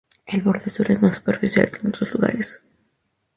El borde sur es más superficial que en otros lugares.